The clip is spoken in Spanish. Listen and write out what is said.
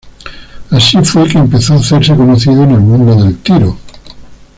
Así fue que empezó a hacerse conocido en el mundo del tiro.